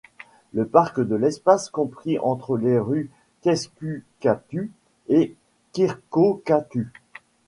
Le parc est l'espace compris entre les rues Keskuskatu et Kirkkokatu.